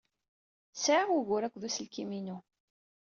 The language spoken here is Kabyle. Sɛiɣ ugur akked uselkim-inu.